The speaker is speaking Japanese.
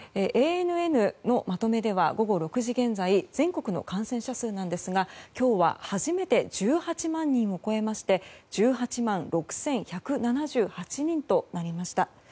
ＡＮＮのまとめでは午後６時現在全国の感染者数なんですが今日は初めて１８万人を超えまして１８万６１７８人となりました。